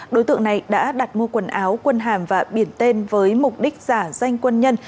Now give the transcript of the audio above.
đối tượng này đã đặt mua quần áo quân hàm và biển tên với mục đích giả danh quân nhân